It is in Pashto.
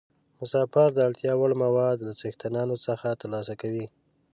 مسافر د اړتیا وړ مواد له څښتنانو څخه ترلاسه کوي.